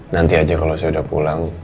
nanti aja kalau saya udah pulang